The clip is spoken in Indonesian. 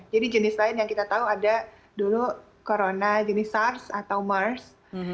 jadi jenis lain yang kita tahu ada dulu corona jenis sars atau mers